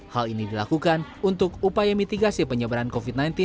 hal ini dilakukan untuk upaya mitigasi penyebaran covid sembilan belas